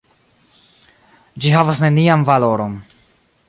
Ĝi havas nenian valoron.